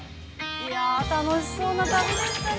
◆いや、楽しそうな旅でしたね。